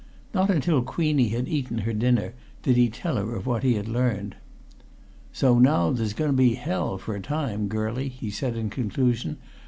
Not until Queenie had eaten her dinner did he tell her of what he had learned. "So now there's going to be hell for a time, girlie," he said in conclusion.